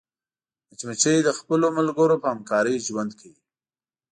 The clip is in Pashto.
مچمچۍ د خپلو ملګرو په همکارۍ ژوند کوي